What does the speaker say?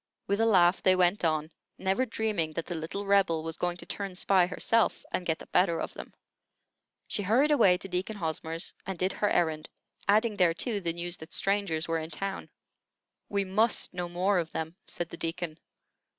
With a laugh they went on, never dreaming that the little Rebel was going to turn spy herself, and get the better of them. She hurried away to Deacon Hosmer's, and did her errand, adding thereto the news that strangers were in town. "We must know more of them," said the Deacon.